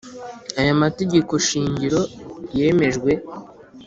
Aya mategeko shingiro yemejwe